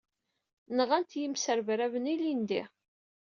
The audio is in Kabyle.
Nɣan-t yimesrebraben ilindi.